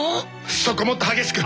そこもっと激しく。